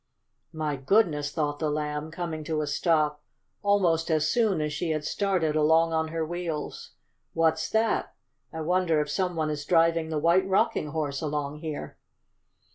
"My goodness!" thought the Lamb, coming to a stop almost as soon as she had started along on her wheels, "what's that? I wonder if some one is driving the White Rocking Horse along here!"